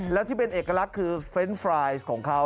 และที่เป็นเอกลักษณ์คือเฟรนด์ฟรายของเขา